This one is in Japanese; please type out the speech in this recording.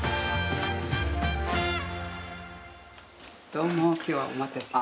どうも今日はお待たせしました。